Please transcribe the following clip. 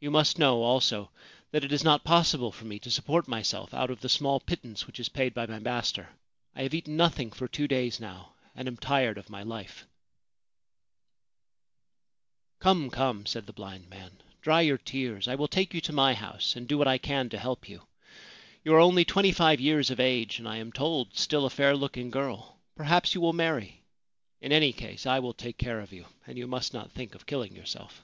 You must know, also, that it is not possible for me to support myself out of the small pittance which is paid by my master. I have eaten nothing for two days now, and am tired of my life.' 1 Shampooer. 28 THE GHOST OF YOICHI APPEARS TO THE THREE AS THEY TALK Ghost Story of the Flute's Tomb ' Come, come !' said the blind man. ' Dry your tears. I will take you to my house, and do what I can to help you. You are only twenty five years of age, and I am told still a fair looking girl. Perhaps you will marry ! In any case, I will take care of you, and you must not think of killing yourself.